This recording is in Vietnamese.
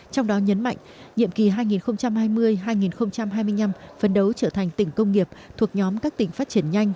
trong đó nhấn mạnh nhiệm kỳ hai nghìn hai mươi hai nghìn hai mươi năm phấn đấu trở thành tỉnh công nghiệp thuộc nhóm các tỉnh phát triển nhanh